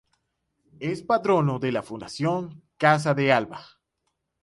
Es patrono de la Fundación Casa de Alba.